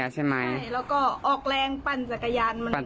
๒วันใช่ไหมเหี้ย